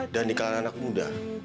dan di kalangan anak muda